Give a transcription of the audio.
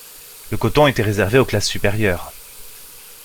Le coton était réservé aux classes supérieures.